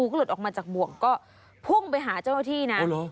ก็หลุดออกมาจากบ่วงก็พุ่งไปหาเจ้าหน้าที่นะ